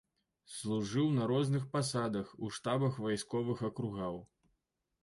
Служыў на розных пасадах у штабах вайсковых акругаў.